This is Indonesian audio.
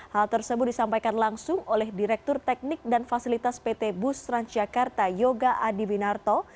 hal tersebut disampaikan langsung oleh direktur teknik dan fasilitas pt bus transjakarta yoga adiwinarto